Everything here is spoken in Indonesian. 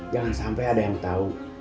jangan sampai ada yang tahu